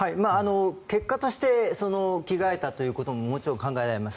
結果として着替えたということももちろん考えられます。